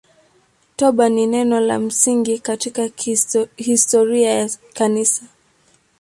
Toba ni neno la msingi katika historia ya Kanisa.